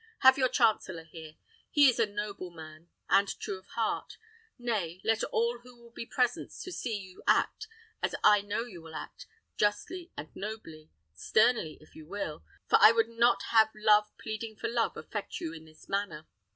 Have your chancellor here. He is a noble man, and true of heart. Nay, let all who will be present, to see you act, as I know you will act, justly and nobly sternly, if you will; for I would not even have love pleading for love affect you in this matter.